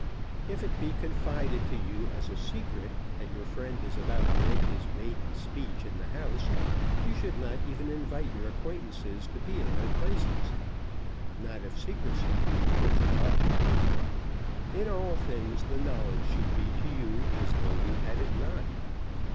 If it be confided to you as a secret that your friend is about to make his maiden speech in the House, you should not even invite your acquaintances to be in their places, not if secrecy be the first object. In all things the knowledge should be to you as though you had it not.